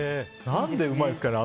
何でうまいんですかね？